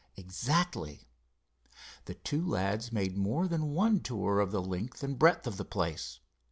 "Exactly." The two lads made more than one tour of the length and breadth of the place.